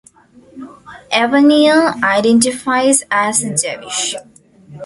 Evanier identifies as Jewish.